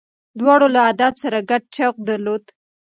دواړو له ادب سره ګډ شوق درلود.